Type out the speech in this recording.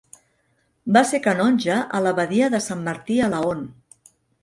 Va ser canonge a l'abadia de Sant Martí a Laon.